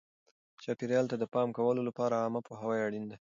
چاپیریال ته د پام کولو لپاره عامه پوهاوی اړین دی.